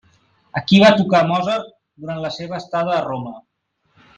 Aquí va tocar Mozart durant la seva estada a Roma.